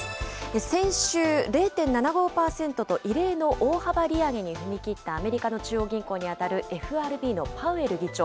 先週、０．７５％と、異例の大幅利上げに踏み切ったアメリカの中央銀行に当たるＦＲＢのパウエル議長。